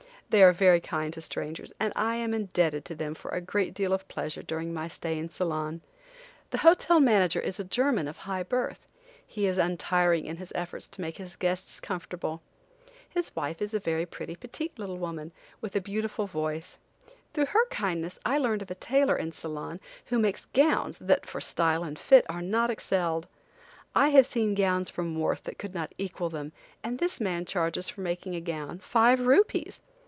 They are very kind to strangers, and I am indebted to them for a great deal of pleasure during my stay in Ceylon. The hotel manager is a German of high birth. He is untiring in his efforts to make his guests comfortable. His wife is a very pretty little woman, with a beautiful voice. Through her kindness I learned of a tailor in Ceylon who makes gowns, that for style and fit are not excelled. I have seen gowns from Worth that could not equal them, and this man charges for making a gown, five rupees!